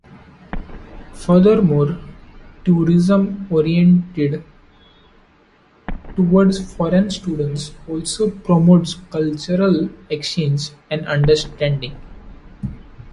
Furthermore, tourism oriented towards foreign students also promotes cultural exchange and understanding.